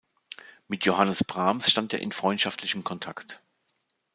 Mit Johannes Brahms stand er in freundschaftlichem Kontakt.